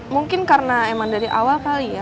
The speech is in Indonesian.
mungkin karena emang dari awal kali ya